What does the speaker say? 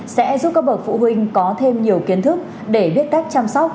sẽ giúp các bậc phụ huynh có thêm nhiều kiến thức để biết cách chăm sóc